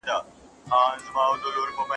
ايا سياست ته د هنر په سترګه کتل کېدای سي؟